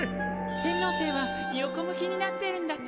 天王星は横向きになってるんだってさ。